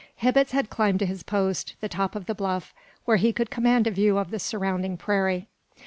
Hibbets had climbed to his post, the top of the bluff, where he could command a view of the surrounding prairie.